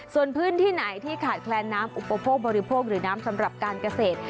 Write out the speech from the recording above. ส่วนพื้นที่ไหนที่ขาดแคลนน้ำอุปโภคบริโภคหรือน้ำสำหรับการเกษตร